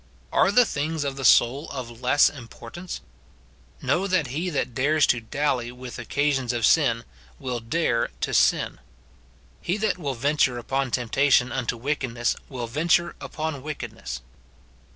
Are the things of the soul of less importance ? Know that he that dares to dally with occasions of sin will dare to sin. He that will venture upon temptation unto wickedness will venture upon wickedness.